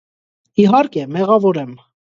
Իհարկե, մեղավոր եմ։